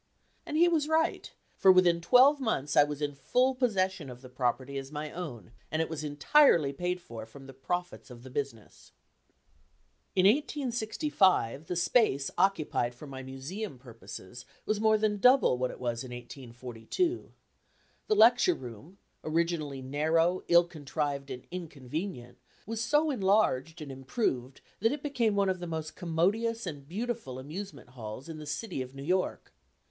And he was right, for within twelve months I was in full possession of the property as my own and it was entirely paid for from the profits of the business. In 1865, the space occupied for my Museum purposes was more than double what it was in 1842. The Lecture Room, originally narrow, ill contrived and inconvenient, was so enlarged and improved that it became one of the most commodious and beautiful amusement halls in the City of New York.